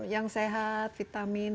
yang sehat vitamin